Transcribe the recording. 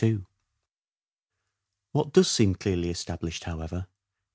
Rate of What does seem clearly established, however, is issue.